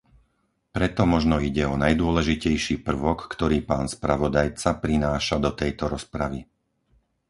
Preto možno ide o najdôležitejší prvok, ktorý pán spravodajca prináša do tejto rozpravy.